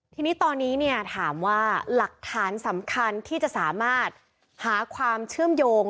ทีนี้ตอนนี้เนี่ยถามว่าหลักฐานสำคัญที่จะสามารถหาความเชื่อมโยง